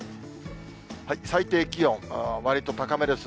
最低気温、わりと高めです。